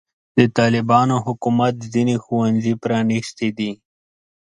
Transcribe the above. د طالبانو حکومت ځینې ښوونځي پرانستې دي.